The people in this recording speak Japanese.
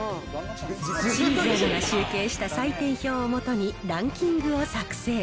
清水アナが集計した採点表をもとにランキングを作成。